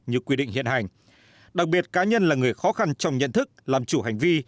như quy định hiện hành đặc biệt cá nhân là người khó khăn trong nhận thức làm chủ hành vi